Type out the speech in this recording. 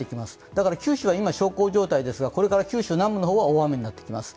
だから九州は今、小康状態ですがこれから九州南部の方は大雨になってきます。